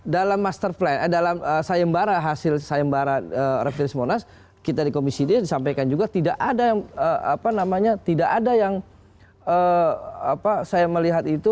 dalam master plan dalam sayembara hasil sayembara refris monas kita di komisi d disampaikan juga tidak ada yang apa namanya tidak ada yang saya melihat itu